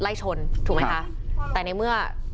ไล่ชนถูกไหมคะแต่ในเมื่อ